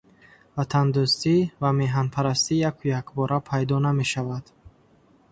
Ватандӯстӣ ва меҳанпарастӣ яку якбора пайдо намешавад.